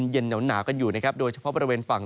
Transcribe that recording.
เย็นหนาวกันอยู่นะครับโดยเฉพาะบริเวณฝั่ง